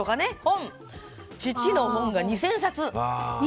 父の本が２０００冊。